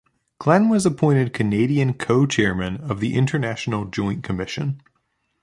Glen was appointed Canadian Co-Chairman of the International Joint Commission.